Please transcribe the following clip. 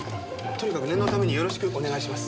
とにかく念のためによろしくお願いします。